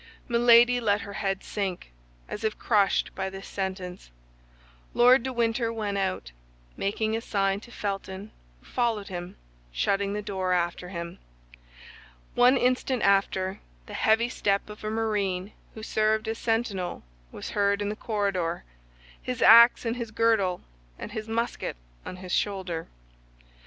Milady let her head sink, as if crushed by this sentence. Lord de Winter went out, making a sign to Felton, who followed him, shutting the door after him. One instant after, the heavy step of a marine who served as sentinel was heard in the corridor—his ax in his girdle and his musket on his shoulder.